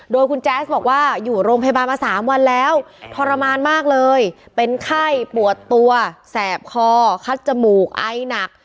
โดยคุณแจ๊สบอกว่าอยู่โรงพยาบาลมา๓วันแล้วทรมานมากเลยเป็นไข้ปวดตัวแสบคอคัดจมูกไอหนัก